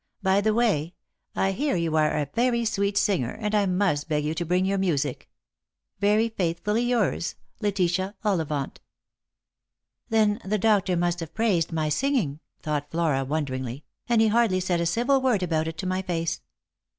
" By the way, I hear you are a very sweet singer, and I must beg you to bring your music. " Yery faithfully yours, "Letitia Ollivant." "Then the doctor must have praised my singing," thought Flora, wonderingly ;" and he hardly said a civil word about it to my face.